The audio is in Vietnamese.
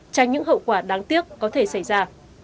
tránh những hậu quả đáng tiếc có thể xảy ra